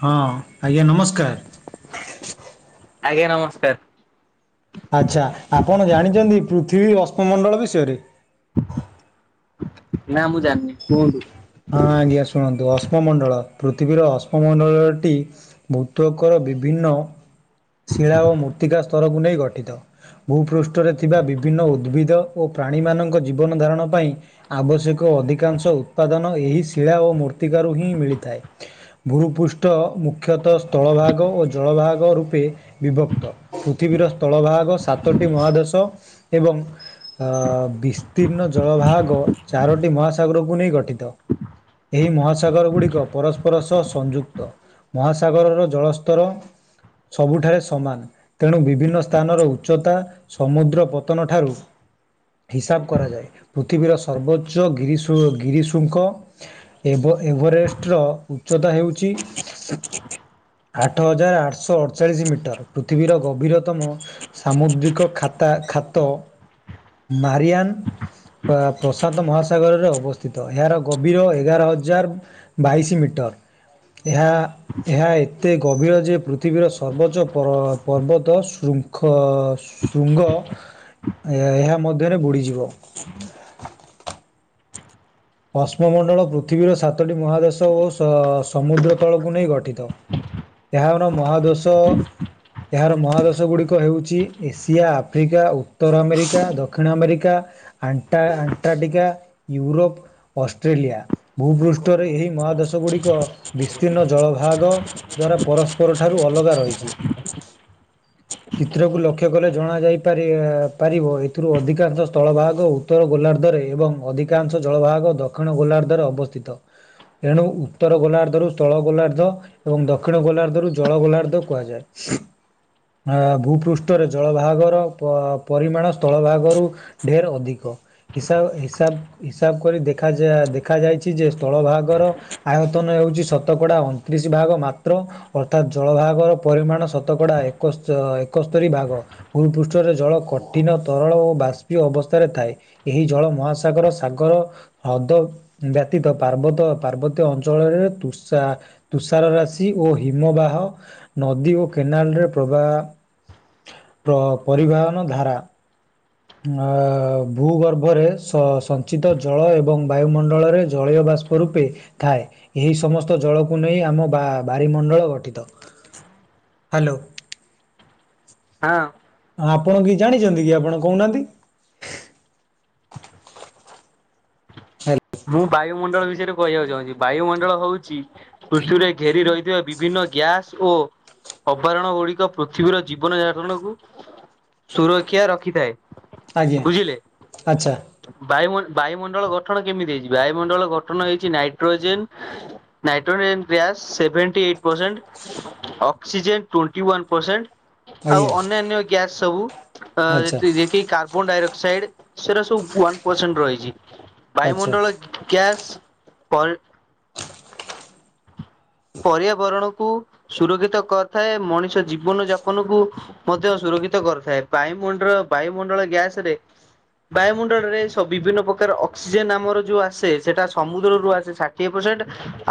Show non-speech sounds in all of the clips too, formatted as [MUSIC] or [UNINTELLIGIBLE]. ହଁ ଆଜ୍ଞା ନମସ୍କାର। ଆଜ୍ଞା ନମସ୍କାର। ଆଚ୍ଛା! ଆପଣ ଜାଣିଚନ୍ତ ପୃଥିବୀ ଅଶ୍ମମଣ୍ଡଳ ବିଷୟରେ ନା ମୁଁ ଜାଣିନି କୁହନ୍ତୁ। ହଁ ଆଜ୍ଞା ଶୁଣନ୍ତୁ ଅଶ୍ମମଣ୍ଡଳ ପୃଥିବୀର ଅଶ୍ମମଣ୍ଡଳଟି ଭୌତକର ବିଭିନ୍ନ ଶିଳା ଓ ମୃତ୍ତିକା ସ୍ତରକୁ ନେଇ ଗଠିତ। ଭୂପୃଷ୍ଠରେ ଥିବା ବିଭିନ୍ନ ଉଦ୍ଭିଦ ଓ ପ୍ରାଣୀମାନଙ୍କ ଜୀବନ ଧାରଣ ପାଇଁ ଆବଶ୍ୟକ ଅଧିକାଂଶ ଉତ୍ପାଦନ ଏହି ଶିଳା ଓ ମୃର୍ତ୍ତିକାରୁ ହିଁ ମିଳିଥାଏ ଭୂପୃଷ୍ଠ ମୁଖ୍ୟତଃ ସ୍ଥଳଭାଗ ଓ ଜଳଭାଗ ରୂପେ ବିଭକ୍ତ ପୃଥିବୀର ସ୍ଥଳଭାଗ ସାତଟି ମହାଦେଶ ଏବଂ ଅ ବିସ୍ତୀର୍ଣ୍ଣ ଜଳଭାଗ ଚାରୋଟି ମହାସାଗରକୁ ନେଇ ଗଠ ଠିତ। ଏହି ମହାସାଗର ଗୁଡିକ ପରସ୍ପର ସହ ସଂଯୁକ୍ତ ମହାସାଗରର ଜଳସ୍ତର ସବୁଠାରେ ସମାନ ତେଣୁ ବିଭିନ୍ନ ସ୍ଥାନର ଉଚ୍ଚତା ସମୁଦ୍ର ପତନ ଠାରୁ ହିସାବ କରାଯାଏ ପୃଥିବୀର ସର୍ବୋଚ୍ଚ ଗିରି ଶୃ ଗିରି ଶୃ ଙ୍ଗ ଏବଂ ଏଭରେଷ୍ଟର ଉଚ୍ଚତା ହେଉଚି ଆଠ ହଜାର ଆଠଶହ ଅଠଚାଳିଶ ମିଟର ପୃଥିବୀର ଗଭୀରତମ ସାମୁଦ୍ରିକ ଖାତା ଖାତ ମାରିଆନ୍ ଅ ପ୍ରଶାନ୍ତ ମହାସାଗରରେ ଅବସ୍ଥିତ। ଏହାର ଗଭୀର ଏଗାର ହଜାର ବାଇଶ ମିଟର ଏହା ଏହା ଏତେ ଗଭୀର ଯେ ପୃଥିବୀର ସର୍ବୋଚ୍ଚ ପର ପର୍ବତ ଶୃଖ ଶୃଙ୍ଗ ଏହା ମଧ୍ୟରେ ବୁଡ଼ିଯିବ। ଅଶ୍ମମଣ୍ଡଳ ପୃଥିବୀର ସାତଟି ମହାଦେଶ ଓ ସ ସମୁଦ୍ର ତଳକୁ ନେଇ ଗଠିତ। ଏହାର ମହାଦେଶ ଏହାର ମହାଦେଶ ଗୁଡ଼ିକ ହେଉଚି ଏସିଆ, ଆଫ୍ରିକା, ଉତ୍ତର ଆମେରିକା, ଦକ୍ଷିଣ ଆମେରିକା, ଆଣ୍ଟା ଆଣ୍ଟାର୍ଟିକା ୟୁରୋପ। ଅଷ୍ଟ୍ରେଲିଆ ଭୂପୃଷ୍ଠରେ ଏହି ମହାଦେଶ ଗୁଡିକ ବିସ୍ତୀର୍ଣ୍ଣ ଜଳଭାଗ ଦ୍ଵାରା ପରସ୍ପର ଠାରୁ ଅଲଗା ରହିଚି। [INAUDIBLE] ଚିତ୍ରକୁ ଲକ୍ଷ୍ୟ କଲେ ଜଣାଯାଇ ପାରେ ପାରିବ ଏଥିରୁ ଅଧିକାଂଶ ସ୍ଥଳଭାଗ ଉତ୍ତର ଗୋଲାର୍ଦ୍ଧରେ ଏବଂ ଅଧିକାଂଶ ଜଳଭାଗ ଦକ୍ଷିଣ ଗୋଲାର୍ଦ୍ଧରେ ଅବସ୍ଥିତ ଏଣୁ ଉତ୍ତର ଗୋଲାର୍ଦ୍ଧରୁ ସ୍ଥଳ ଗୋଲାର୍ଦ୍ଧ ଏବଂ ଦକ୍ଷିଣ ଗୋଲାର୍ଦ୍ଧରୁ ଜଳ ଗୋଲାର୍ଦ୍ଧ କୁହାଯାଏ। ଆ ଭୂପୃଷ୍ଠରେ ଜଳଭାଗର ପ ପରିମାଣ ସ୍ଥଳଭାଗରୁ ଢେର ଅଧିକ ହିସାବ ହିସାବ ହିସାବ କରିଦେଖ୍ ଖା ଯା ଦେଖାଯାଇଚି ଯେ ସ୍ଥଳଭାଗର ଆୟତନ ହେଉଚି ଶତକଡା ଅଣତିରିଶ ଭାଗ ମାତ୍ର ଅର୍ଥାତ ଜଳଭାଗର ପରିମାଣ ଶତକଡା ଏକଶ୍ଚ ଏକସ୍ତରୀ ଭାଗ ଭୂପୃଷ୍ଠରେ ଜଳ କଠିନ, ତରଳ ଓ ବାଷ୍ପୀୟ ଅବସ୍ଥାରେ ଥାଏ। ଏହି ଜଳ ମହାସାଗର ସାଗର ହ୍ରଦ ବ୍ୟତୀତ ପାର୍ବତ ପାର୍ବତୀୟ ଅଞ୍ଚଳରେ ତୁଷା ତୁଷାର ରାଶି ଓ ହିମବାହ ନଦୀ ଓ କେନାଲରେ ପ୍ରବା ପ ପରିବାହନ ଧାରା ଆ ଭୂଗର୍ଭରେ ସ ସଞ୍ଚିତ ଜଳ ଏବ ଏବଂ ବାୟୁମଣ୍ଡଳରେ ଜଳୀୟ ବାଷ୍ପ ରୂପେ ଥାଏ ଏହି ସମସ୍ତ ଜଳକୁ ନେଇ ଆମ ବା ବାରିମଣ୍ଡଳ ଗଠିତ। [INAUDIBLE] ହାଲୋ ହଁ ଆପଣ କି ଜାଣିଚନ୍ତି କି ଆପଣ କହୁନାହାନ୍ତି। [INAUDIBLE] [UNINTELLIGIBLE] ମୁଁ ବାୟୁମଣ୍ଡଳ ବିଷୟରେ କହିବାକୁ ଚାହୁଁଚି। ବାୟୁମଣ୍ଡଳ ହଉଚି ପୃଥିବୀରେ ଘେରି ରହିଥିବା ବିଭିନ୍ନ ଗ୍ୟାସ ଓ ଅପାରଣ ଗୁଡିକ ପୃଥିବୀର ଜୀବନ ଯାପନକୁ ସୁରକ୍ଷା ରଖିଥାଏ। ଆଜ୍ଞା ବୁଝିଲେ। ଆଚ୍ଛା। ବାୟୁ ବାୟୁମଣ୍ଡଳ ଗଠନ କେମିତି ହେଇଛି ବାୟୁମଣ୍ଡଳ ଗଠନ ହେଇଛି nitrogen nitrogen gas seventy eight percent oxygen twenty one percent ଆଜ୍ଞା ଆଉ ଅନ୍ୟାନ୍ୟ ଗ୍ୟାସ ସବୁ ଅ ଆଚ୍ଛା ଯେ ଯେକି କାର୍ବନ ଡାଇଅକ୍ସାଇଡ ସେରା ସବୁ ୱାନ୍ ପରସେଣ୍ଟ ରହିଛି। ଆଚ୍ଛା ବାୟୁମଣ୍ଡଳ ଗ୍ୟାସ୍ ପରି ପରିଆବରଣ କ ସୁରକ୍ଷିତ କରିଥାଏ। ମଣିଷ ଜୀବନ ଯାପନ କୁ ମଧ୍ୟ ସୁରକ୍ଷିତ କରିଥାଏ। ବାୟୁମଣ୍ଡଳ ବାୟୁମଣ୍ଡଳ ଗ୍ୟାସ ରେ ବାୟୁମଣ୍ଡଳରେ ବିଭିନ୍ନ ପ୍ରକାର ଅକ୍ସିଜେନ ଆମର ଯୋଉ ଆସେ ସେଟା ସମୁଦ୍ରରୁ ଆସେ ଷାଠିଏ ପରସେଣ୍ଟ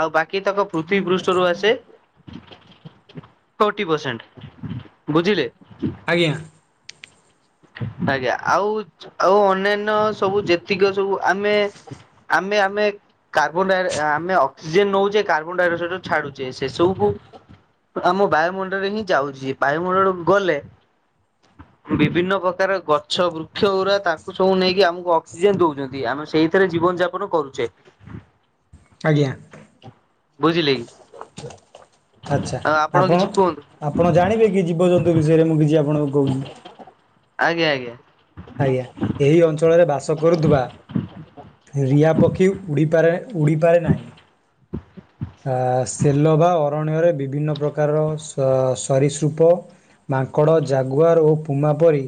ଆଉ ବାକି ତକ ପୃଷ୍ଠରୁ ଆସେ [INAUDIBLE] ଫୋଟି ପରସେଣ୍ଟ ବୁଝିଲେ ଆଜ୍ଞା। ଆଜ୍ଞା ଆଉ ଆଉ ଅନ୍ୟାନ୍ୟ ସବୁ ଯେତିକି ସବୁ ଆମେ ଆମେ ଆମେ କାର୍ବନ ଆମେ ଅକ୍ସିଜେନ ନଉଛେ କାର୍ବନ ଡାଇଅକ୍ସାଇଡ ଛାଡୁଛେ। ସେ ସବୁକୁ ଆମ ବାୟୁମଣ୍ଡଳରେ ହିଁ ଯାଉଛିେ ବାୟୁମଣ୍ଡଳ ଗଲେ ବିଭିନ୍ନ ସ ପ୍ରକାର ଗଛ ବୃକ୍ଷ ହୁରା ତାଙ୍କୁ ସବୁ ନେଇକି ଆମକୁ ଅକ୍ସିଜେନ ଦଉଛନ୍ତି। ଆମେ ସେଇଥିରେ ଜୀବନ ଯାପନ କରୁଛେ। ଆଜ୍ଞା। ବୁଝିଲେ କି ଆଚ୍ଛା ଆଉ ଆପଣ କିଛି କୁହନ୍ତୁ ଆପଣ ଜାଣିବେ କି ଜୀବଜନ୍ତୁ ବିଷୟରେ ମୁଁ କିଛି ଆପଣଙ୍କୁ କହୁଛି। ଆଜ୍ଞା ଆଜ୍ଞା। ଆଜ୍ଞା ଏଇ ଅଞ୍ଚଳରେ ବାସ କରୁଥିବା [INAUDIBLE] ରିଆ ପକ୍ଷୀ ଉଡିପାରେ ଉଡିପାରେ ନାହିଁ। ଅ ସେଲୋ ବା ଅରଣରେ ବିଭିନ୍ନ ପ୍ରକାର ସରିସୃପ ମାଙ୍କଡ଼ ଜାଗୁଆର ଓ ପୁମା ପରି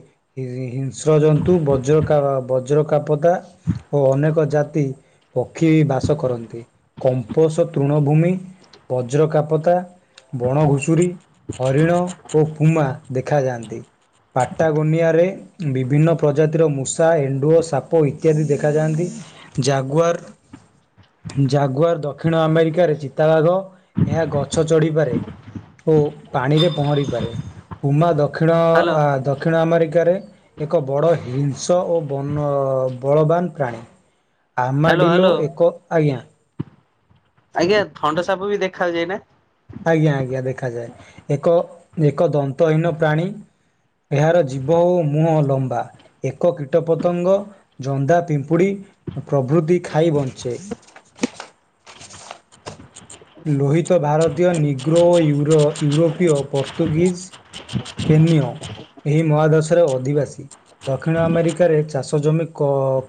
ସ୍ରଜନ୍ତୁ ବଜ୍ରକା ବ ବଜ୍ରକାପଦା ଓ ଅନେକ ଜାତି ପକ୍ଷୀ ବାସ କରନ୍ତି। କମ୍ପ ତୃଣଭୂମି ବଜ୍ରକାପତା ବଣ ଘୁଷୁରୀ ହରିଣ ଓ ହୁମା ଦେଖାଯାଆନ୍ତି ପାଟାଗନିଆରେ ବିଭିନ୍ନ ପ୍ରଜାତିର ମୂଷା ଏଣ୍ଡୁଅ ସାପ ଇତ୍ୟାଦି ଦେଖାଯାଆନ୍ତି। ଜାଗୁଆାର ଜାଗୁଆାର ଦକ୍ଷିଣ ଆମେରି ଚିତାବାଘ ଏହା ଗଛ ଚଢ଼ିପାରେ ଓ ପାଣିରେ ପହଁରି ପାରେ ପୁମା ଦ ଦକ୍ଷିଣ ହ୍ୟାଲୋ ଦକ୍ଷିଣ ଆମେରିକାରେ ଏକ ବଡ଼ ହିଂସ ଓ ବନ ବଳବାନ ପ୍ରାଣୀ। ଆମା ହ୍ୟାଲୋ ଡ଼ିଲୋ ହ୍ୟାଲୋ ଏକ ଆଜ୍ଞା। ଆଜ୍ଞା ଥଣ୍ଡା ସାପ ବି ଦେଖା ଯାଏ ନା? ଆଜ୍ଞା ଆଜ୍ଞା ଦେଖାାଯାଏ। ଏକ ଏକ ଦନ୍ତହୀନ ପ୍ରାଣୀ। ଏହାର ଜୀବ ଓ ମୁହଁ ଲମ୍ବା। ଏକ କୀଟ ପତଙ୍ଗ ଜନ୍ଦା ପିମ୍ପୁଡ଼ି ପ୍ରଭୃତି ଖାଇ ବଞ୍ଚେ। ଲୋହିତ ଭାରତୀୟ ନିଗ୍ରୋ ଓ ୟୁରୋ ୟୁରୋପୀୟ ପର୍ତ୍ତୁଗିଜ ସ୍ପେନୀୟଏହି ମହାଦେଶରେ ଅଧିବାସୀ। ଦକ୍ଷିଣ ଆମେରିକାରେ ଚାଷ ଜମି କ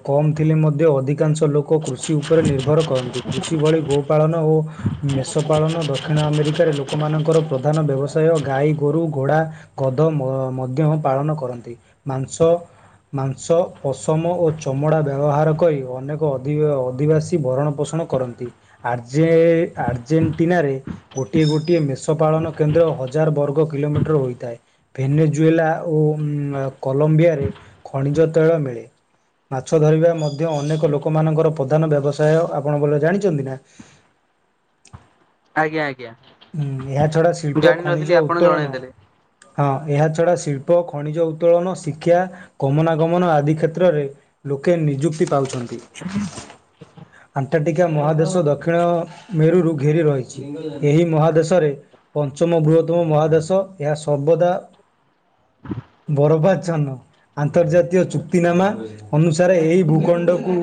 କମ୍ ଥିଲେ ମଧ୍ୟ ଅଧିକାଂଶ ଲୋକ କୃଷି ଉପରେ ନିର୍ଭର କରନ୍ତି। କୃଷି ଭଳି ଗୋ ପାାଳନ ଓ ମେଷ ପାାଳନ ଦକ୍ଷିଣ ଆମେରିକାରେ ଲୋକମାନଙ୍କର ପ୍ରଧାନ ବ୍ୟବସାୟ। ଗାଈ ଗୋରୁ ଘୋଡ଼ା କଧ ମଧ୍ୟ ପାଳନ କରନ୍ତି। ମାଂସ ମାଂସ ପଶମ ଓ ଚମଡ଼ା ବ୍ୟବହାର କରି ଅନେକ ଅଧି ଅଧିବାସୀ ଭରଣ ପୋଷଣ କରନ୍ତି। ଆର୍ଜ ଆର୍ଜେଣ୍ଟିନାରେ ଗୋଟିଏ ଗୋଟିଏ ମେଷ ପାଳନ କେନ୍ଦ୍ର ହଜାର ବର୍ଗ କିଲୋମିଟର ହୋଇଥାଏ। ଭେନେଜୁଏଲା ଓ କଲମ୍ବିଆରେ ଖଣିଜ ତୈଳ ମିଳେ। ମାଛ ଧରିବା ମଧ୍ୟ ଅନେକ ଲୋକମାନଙ୍କର ପ୍ରଧାନ ବ୍ୟବସାୟ ଆପଣ ବଲ ଜାଣିଛନ୍ତି ନା? ଆଜ୍ଞା ଆଜ୍ଞା। ହୁଁ ଏହା ଛଡା ମୁଁ ଶିଳ୍ପ, ଜାଣିନଥିଲି ଖଣିଜ ଆପଣ ଉତ୍ତୋଳନ ଜଣେଇଦେଲେ ହଁ ଏହାଛଡ଼ା ଶିଳ୍ପ, ଖଣିଜ ଉତ୍ତୋଳନ, ଶିକ୍ଷା, ଗମନାଗମନ ଆଦି କ୍ଷେତ୍ରରେ ଲୋକେ ନିଯୁକ୍ତି ପାଉଛନ୍ତି। [INAUDIBLE] ଆଣ୍ଟାର୍କଟିକା ମହାଦେଶ ଦକ୍ଷିଣ ମେରୁରୁ ଘେରି ରହିଛି। ଏହି ମହାଦେଶରେ ପଞ୍ଚମ ବୃହତ୍ତମ ମହାଦେଶ ଏହା ସର୍ବଦା ବରବାଛନ। ଆନ୍ତର୍ଜାତୀୟ ଚୁକ୍ତିନାମା ଅନୁସାରେ ଏହି ଭୂଖଣ୍ଡକୁ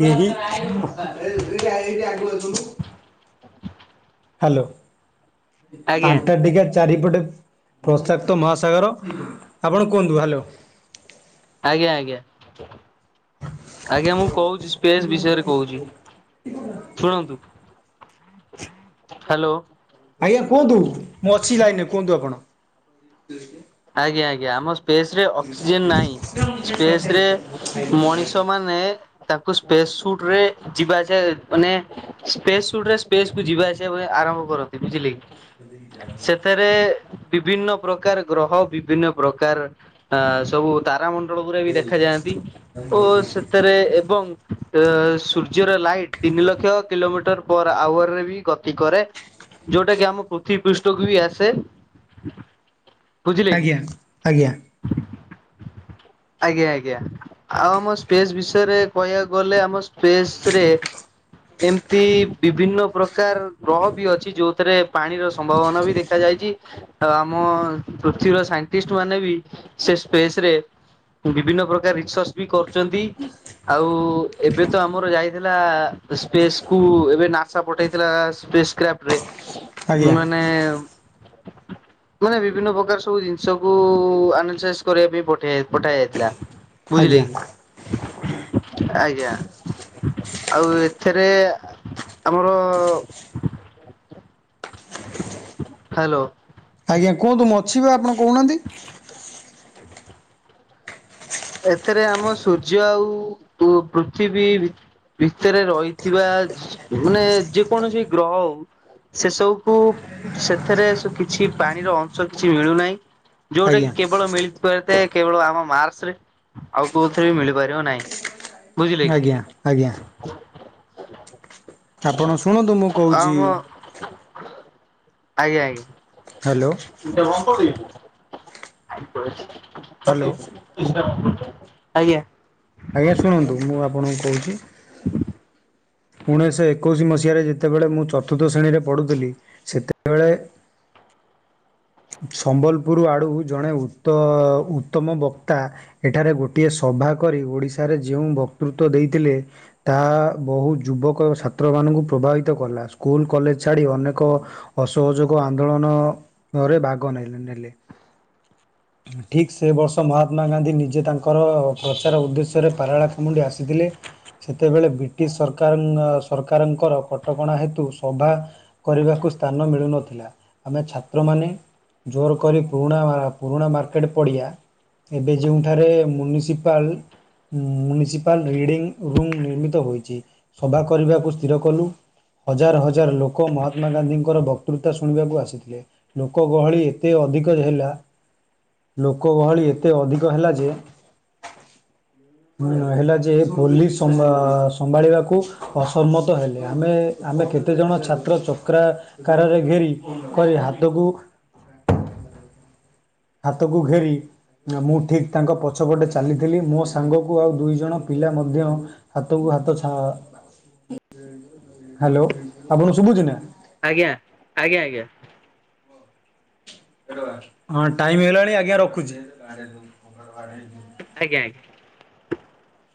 କେହି [INAUDIBLE] ହାଲୋ। ଆଜ୍ଞା ଆଣ୍ଟାର୍କଟିକା ଚାରିପଟେ ପ୍ରସାକ୍ତ ମହାସାଗର ଆପଣ କୁହନ୍ତୁ। ହାଲୋ। ଆଜ୍ଞା ଆଜ୍ଞା ଆଜ୍ଞା। ମୁଁ କହୁଛି ସ୍ପେସ୍ ବିଷୟରେ କହୁଛି ଶୁଣନ୍ତୁ। ହାଲୋ। ଆଜ୍ଞା କୁହନ୍ତୁ। ମୁଁ ଅଛି ଲାଇନ୍‌ ରେ କୁହନ୍ତୁ ଆପଣ। [INAUDIBLE] ଆଜ୍ଞା ଆଜ୍ଞା ଆମ ପେସ୍‌ ରେ ଅକ୍ସିଜେନ ନାହିଁ। ସ୍ପେସ ରେ ମଣିଷ ମାନେ ତାକ ସ୍ପେସ୍ ସୁଟ ରେ ଯିବା ଆସିବା ମାନେ ସ୍ପେସ୍ ସୁଟ ରେ ସ୍ପେସ୍ କୁ ଯିବା ଆସିବା ଆରମ୍ଭ କରନ୍ତି। ବୁଝିଲେ କି? ସେଥେ ରେ ବିଭିନ୍ନ ପ୍ରକାର ଗ୍ରହ ବିଭିନ୍ନ ପ୍ରକାର ଆଁ ସବୁ ତାରା ମ ଳ ଗୁରା ବି ଦେଖାଯାନ୍ତି। ଓ ସେଥିରେ ଏବଂ ଅ ସୂର୍ଯ୍ୟର ଲାଇଟ ତିନି ଲକ୍ଷ କିଲୋମିଟର ପର ଆୱାରରେ ବି ଗତି କରେ। ଯଉଟା କି ଆମ ପୃଥିବୀ ପୃଷ୍ଠକୁ ବି ଆସେ। ବୁଝିଲେ କି ଆଜ୍ଞା ଆଜ୍ଞା। ଆଜ୍ଞା ଆଜ୍ଞା। ଆଉ ଆମ ସ୍ପେସ୍ ବିଷୟରେ କହିବାକୁ ଗଲେ ଆମ ସ୍ପେସ ରେ ଏମ୍‌ତି ବିଭିନ୍ନ ପ୍ରକାର ଗ୍ରହ ବି ଅଛି ଯୋଉଥିରେ ପାଣିର ସମ୍ଭାବନା ବି ଦେଖାାଯାଇଚି। ଆଉ ଆମ ପୃଥିବୀର ସାଇଣ୍ଟିଷ୍ଟ ମାନେ ବି ସେ ସ୍ପେସ୍‌ ରେ ବିଭିନ୍ନ ପ୍ରକାର ରିସର୍ଚ ବି କରଚନ୍ତି ଆଉ ଏବେ ତ ଆମର ଯାଇ ଥିଲା ସ୍ପେସ କୁ ଏବେ ନାସା ପଠେଇଥିଲା। ସ୍ପେସ କ୍ରାଫ୍ଟ ରେ ଆଜ୍ଞା ମାନେ ମାନେ। ବିଭିନ୍ନ ପ୍ରକାର ସବୁ ଜିନିଷକୁ ଆନାଲିସାଇସ୍ କରିବା ପାଇଁ ପଠା ଯାଇଥିଲା। ବୁଝିଲି ଆଜ୍ଞା ଆଜ୍ଞା। ଆଉ ଏଥେରେ ଆମ୍‌ର। ହାଲୋ। ଆଜ୍ଞା କୁହନ୍ତୁ ମୁଁ ଅଛି ବା ଆପଣ କହୁ ନାହାନ୍ତି। ଏଥେରେ ଆମ ସୂର୍ଯ୍ୟ ଆଉ ପୃଥିବୀ ଭିତରେ ରହିଥିବା। ମାନେ ଯେକୌଣସି ଗ୍ରହ ହଉ ସେସବୁକୁ ସେଥିରେ କିଛି ପାଣିର ଅଂଶ କିଛି ମିଳୁନାହିଁ। ଯଉଟା ଟା ଆଜ୍ଞା କି କେବେଳ ମିଳିପା। କେବଳ ଆମ ମାର୍ସରେ ଆଉ କୋଉଥିରେ ବି ମିଳିପାରିବ ନହିଁ। ଆଜ୍ଞା ଆଜ୍ଞା। ଆପଣ ଶୁଣନ୍ତୁ ମୁଁ କହୁଛି। ଆମ ଆଜ୍ଞା ଆଜ୍ଞ। ହ୍ୟାଲୋ ଏଇଟା ହାଁଅ କରିଦେବି। ଆ ପରା ସେ ହ୍ୟାଲୋ କରିଦେବି ଆଜ୍ଞା ଆଜ୍ଞା ଶୁଣନ୍ତୁ ମୁଁ ଆପଣଙ୍କୁ କହୁଛି। ଉଣେଇଶ ଏକୋଇଶି ମସି ଓଶଆରେ ଯେତେବେଳେ ମୁଁ ଚତୁର୍ଥ ଶ୍ରେଣୀରେ ପଢ଼ୁଥିଲି ସେତେବେଳେ। ସମ୍ବଲପୁର ଆଡ଼ୁ ଜଣେ ଉତ ଉତ୍ତମ ବକ୍ତା ଏଠାରେ ଗୋଟିଏ ସଭା କରି ଓଡ଼ିଶାରେ ଯେଉଁ ବକ୍ତୃତ୍ୱ ଦେଇଥିଲେ ତାହା ବହୁ ଯୁବକ ଛାତ୍ରମାନଙ୍କୁ ପ୍ରଭାବିତ କଲା ସ୍କୁଲ କଲେଜ ଛାଡ଼ି ଅନେକ ଅସହଯୋଗ ଆନ୍ଦୋଳନ। ଭାଗ ନ ନେଲେ ଠିକ ସେ ବର୍ଷ ମହାତ୍ମା ଗାନ୍ଧୀ ନିଜେ ତାଙ୍କର ପ୍ରଚାର ଉଦ୍ଦେଶ୍ୟରେ ପାରାଳାଖାମୁଣ୍ଡି ଆସିଥିଲେ ସେତେବେଳେ ବ୍ରିଟିଶ ସରକାର ସରକାରଙ୍କର କଟକଣା ହେତୁ ସଭା କରିବାକୁ ସ୍ଥାନ ମିଳୁନଥିଲା ଆମେଛ ଛ୍ର ମାନ ଜୋର କରି ପୁରୁଣା ପୁରୁଣା ମାର୍କେଟ ପଡ଼ିଆ ଏବେ ଯେଉଁଠାରେନିସିପାଲ ମୁନିସିପାଲ ରିଡିଙ୍ଗ ରୁମ୍ ନିର୍ମିତ ହୋଇଛି ସଭା କରିବାକୁ ସ୍ଥିର କଲୁ ହଜାର ହଜାର ଲୋକ ମହାତ୍ମା ଗାନ୍ଧୀଙ୍କର ବକ୍ତୃତା ଶୁଣିବାକୁ ଆସିଥିଲେ। ଲୋକ ଗହଳି ଏତେ ଅଧିକ ହେଲା ଲୋକ ଗହଳି ଏତେ ଅଧିକ ହେଲା ଯେ ହେଲା ଯେ ପୋଲିସ ସମ୍ଭାଳିବାକୁ ଅସମ୍ମତ ହେଲେ ଆମେ ଆମେ କେତେ ଜଣ ଛାତ୍ର ଚକ୍ରା କରେ ଘେରି କରି। ତୋଗୁ। ହାତକୁ ଘେରି ମୁଁ ଠିକ ତାଙ୍କ ପଛପଟେ ଚାଲିଥିଲି ମୋ ସାଙ୍ଗକୁ ଆଉ ଦୁଇ ଜଣ ପିଲା ମଧ୍ୟ ହାତକୁ ହାତଛ ହ୍ୟାଲୋ ଆପଣ ଶୁଭୁଛି ନା। ଆଜ୍ଞା ଆଜ୍ଞା ଆଜ୍ଞା। ହଁ ଟାଇମ ହେଇଲାଣି ଆଜ୍ଞା ରଖୁଛି। [INAUDIBLE]